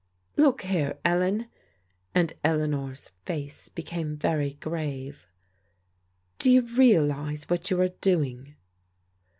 "Look here, Ellen," and Eleanor's face became very grave, "do you realize what you are doing?"